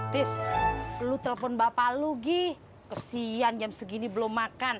tidak aku mau tidur